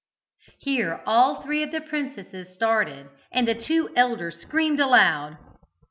Here all three of the princesses started, and the two elder screamed aloud.